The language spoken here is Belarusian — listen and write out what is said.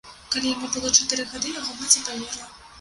Калі яму было чатыры гады, яго маці памерла.